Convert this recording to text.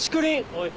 おい。